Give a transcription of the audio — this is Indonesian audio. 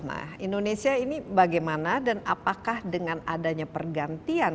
nah indonesia ini bagaimana dan apakah dengan adanya pergantian